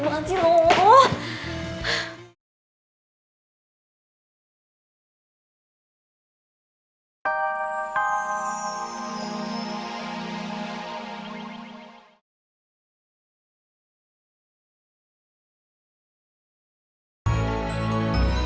mulan stupid banget sih lo